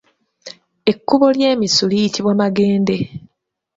Ekkubo ly’emisu liyitibwa Magende.